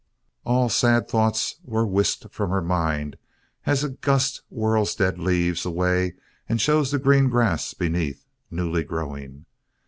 All sad thoughts were whisked from her mind as a gust whirls dead leaves away and shows the green grass beneath, newly growing.